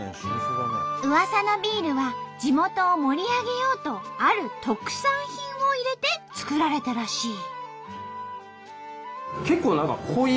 うわさのビールは地元を盛り上げようとある特産品を入れて作られたらしい。